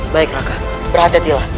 baik raka perhatiatilah